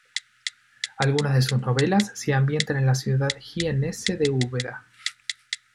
Algunas de sus novelas se ambientan en la ciudad jiennense de Úbeda.